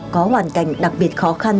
có hoàn cảnh đặc biệt khó khăn